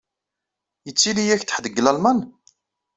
Yettili-yak-d ḥedd deg Lalman?